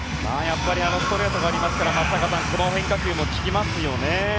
やっぱりあのストレートがありますからこの変化球も効きますよね。